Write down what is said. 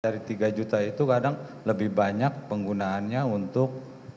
dari tiga juta itu kadang lebih banyak penggunaannya untuk